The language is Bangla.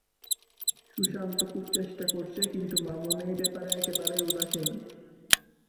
সুশান্ত খুব চেষ্টা করছে, কিন্তু মামুন এই ব্যাপারে একেবারেই উদাসীন।